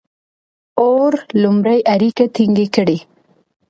• اور لومړنۍ اړیکې ټینګې کړې.